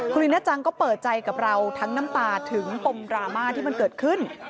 คุณลีน่าจังก็เปิดใจกับเราทั้งน้ำตาถึงปมดราม่าที่มันเกิดขึ้น